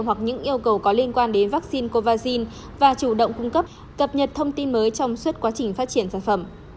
hoặc những yêu cầu có liên quan đến vaccine covid và chủ động cung cấp cập nhật thông tin mới trong suốt quá trình phát triển sản phẩm